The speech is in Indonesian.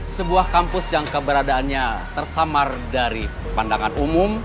sebuah kampus yang keberadaannya tersamar dari pandangan umum